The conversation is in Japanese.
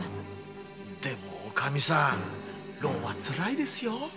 でもおカミさん牢はつらいですよ。